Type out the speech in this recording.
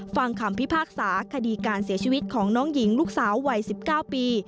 ฟังคำพิพากษาคดีการเสียชีวิตของน้องหญิงลูกสาววัย๑๙ปี